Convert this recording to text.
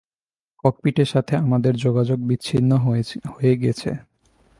ককপিটের সাথে আমাদের যোগাযোগ বিচ্ছিন্ন হয়ে গেছে।